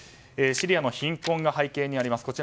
シリアの貧困が背景にあります。